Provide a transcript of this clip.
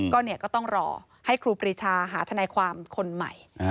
ก็ต้องรอให้ครูปรีชาหาทนายความคนใหม่